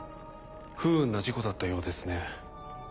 不運な事故だったようですね。